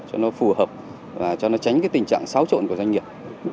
cho nó phù hợp và cho nó tránh cái tình trạng xáo trộn của doanh nghiệp